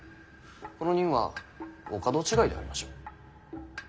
この任はお門違いでありましょう。